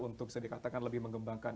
untuk bisa dikatakan lebih mengembangkan